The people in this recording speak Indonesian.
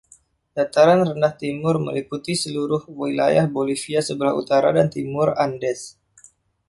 Dataran rendah timur meliputi seluruh wilayah Bolivia sebelah utara dan timur Andes.